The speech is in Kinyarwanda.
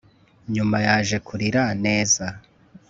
nyuma yaje kurira neza